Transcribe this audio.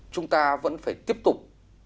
chúng ta vẫn phải tiếp tục